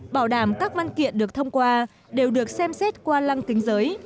bảo đảm các văn kiện được thông qua đều được xem xét qua lăng kính giới